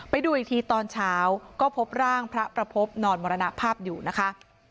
ไปดูอีกทีตอนเช้าก็พบร่างพระประพบนอนมรณภาพอยู่นะคะ